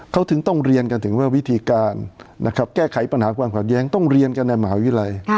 เขาถึงต้องเรียนกันถึงว่าวิธีการนะครับแก้ไขปัญหาความขัดแย้งต้องเรียนกันในมหาวิทยาลัย